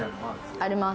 あります。